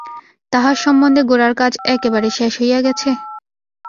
তাহার সম্বন্ধে গোরার কাজ একেবারে শেষ হইয়া গেছে?